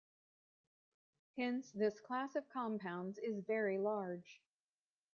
Hence this class of compounds is very large.